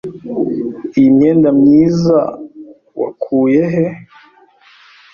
Iyi myenda myiza wakuye he?